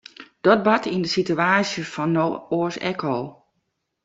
Dat bart yn de sitewaasje fan no oars ek al.